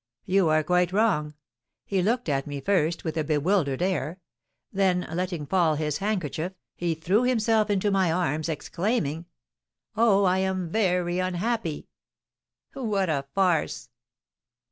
"You are quite wrong. He looked at me first with a bewildered air; then letting fall his handkerchief, he threw himself into my arms, exclaiming, 'Oh, I am very unhappy!'" "What a farce!"